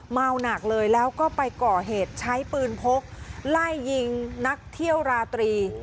เมาหนักเลยแล้วก็ไปก่อเหตุใช้ปืนพกไล่ยิงนักเที่ยวราตรี